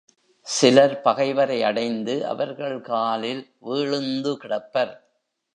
சிலர் பகைவரை அடைந்து அவர்கள் காலில் வீழுந்து கிடப்பர்.